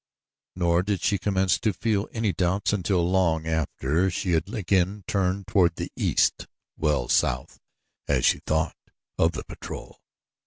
Nor did she commence to feel any doubts until long after she had again turned toward the east well south, as she thought, of the patrol.